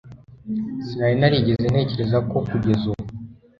Sinari narigeze ntekereza ko kugeza ubu